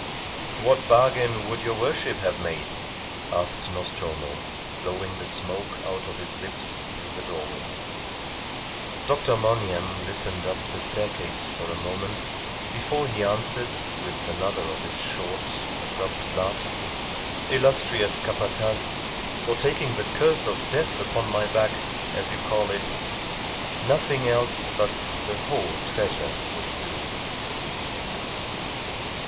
"What bargain would your worship have made?" asked Nostromo, blowing the smoke out of his lips through the doorway. Dr. Monygham listened up the staircase for a moment before he answered, with another of his short, abrupt laughs "Illustrious Capataz, for taking the curse of death upon my back, as you call it, nothing else but the whole treasure would do."